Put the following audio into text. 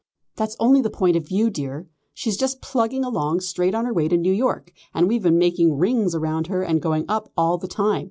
"That's only the point of view, dear. She's just plugging along straight on her way to New York, and we've been making rings round her and going up all the time.